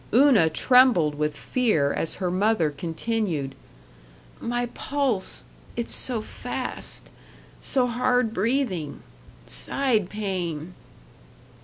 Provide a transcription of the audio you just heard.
Una trembled with fear as her mother continued, "My pulse it's so fast so hard breathing side pain."